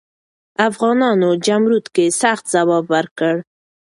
افغانانو جمرود کې سخت ځواب ورکړ.